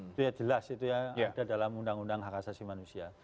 itu ya jelas itu ya ada dalam undang undang hak asasi manusia